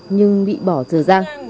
nhưng bị bỏ dở ra